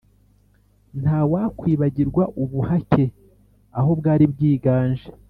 Nta wakwibagirwa ubuhake aho bwari bwiganje